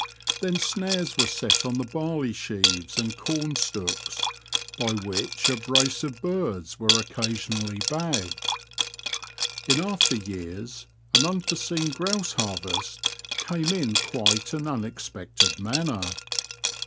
Then snares were set on the barley sheaves and corn stooks, by which a brace of birds were occasionally bagged. In after years an unforseen grouse harvest came in quite an unexpected manner.